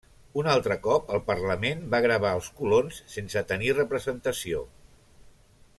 Un altre cop, el parlament va gravar els colons sense tenir representació.